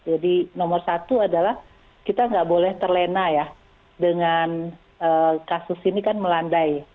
jadi nomor satu adalah kita enggak boleh terlena ya dengan kasus ini kan melandai